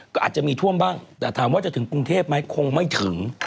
ก็อาจจะมีท่วมบ้างแต่ถามว่าจะถึงกรุงเทพไหมคงไม่ถึง